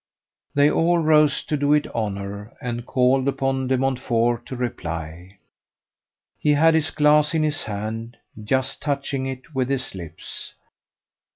They all rose to do it honour, and called upon De Montfort to reply. He had his glass in his hand just touching it with his lips.